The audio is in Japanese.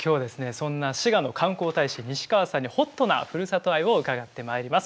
そんな滋賀の観光大使西川さんにＨＯＴなふるさと愛を伺ってまいります。